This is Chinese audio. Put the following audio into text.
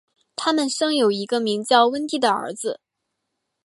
他们生有一个名叫温蒂的儿子。